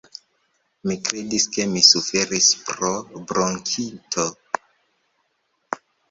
Mi kredis ke mi suferis pro bronkito!